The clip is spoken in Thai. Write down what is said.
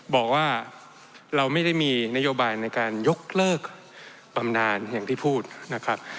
บอกว่าเราไม่ได้มีนโยบายในการยกเลิกบำนานอย่างที่พูดนะครับ